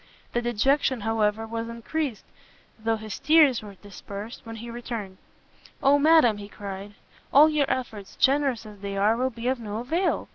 The dejection, however, was encreased, though his tears were dispersed, when he returned; "Oh madam!" he cried, "all your efforts, generous as they are, will be of no avail!